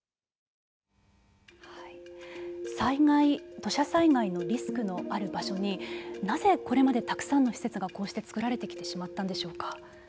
土砂災害のリスクのある場所になぜ、これまでたくさんの施設がこうして造られてきてしまったんでしょうか。